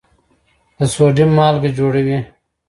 د سوډیم مالګه جوړوي.